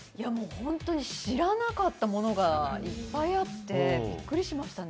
ホントに知らなかったものがいっぱいあって、びっくりしましたね